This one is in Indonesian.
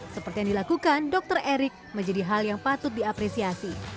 seperti yang dilakukan dr erik menjadi hal yang patut diapresiasi